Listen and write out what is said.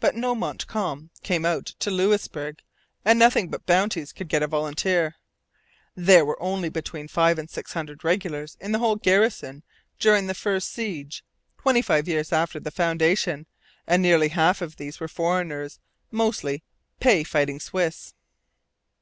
But no Montcalm came out to Louisbourg, and nothing but bounties could get a volunteer. There were only between five and six hundred regulars in the whole garrison during the first siege, twenty five years after the foundation, and nearly half of these were foreigners, mostly 'pay fighting Swiss.'